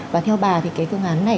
và theo bà thì cái cơ ngán này